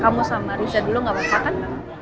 kamu sama riza dulu gak apa apa kan